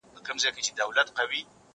زه له سهاره ځواب ليکم،